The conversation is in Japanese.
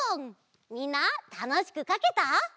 みんなたのしくかけた？